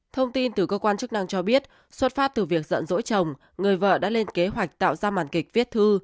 thông tin từ cơ quan chức năng cho biết xuất phát từ việc dặn rỗi chồng người vợ đã lên kế hoạch tạo ra màn kịch viết thư